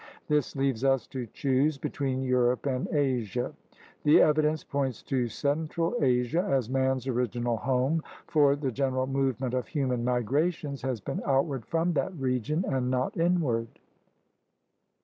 * This leaves us to choose between Europe and Asia. The evidence points to central Asia as man's original home, for the general movement of human migrations has been outwarc^* from that region and not inward.